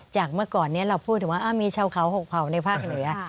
เมื่อก่อนนี้เราพูดถึงว่ามีชาวเขา๖เผาในภาคเหนือ